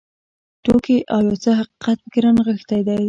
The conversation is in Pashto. ټوکې او یو څه حقیقت پکې رانغښتی دی.